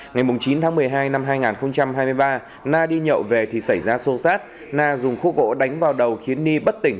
ngày chín tháng một mươi hai năm hai nghìn hai mươi ba na đi nhậu về thì xảy ra xô xát na dùng khúc gỗ đánh vào đầu khiến ni bất tỉnh